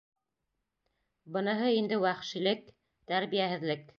Быныһы инде — вәхшилек, тәрбиәһеҙлек.